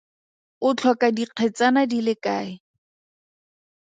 O tlhoka dikgetsana di le kae?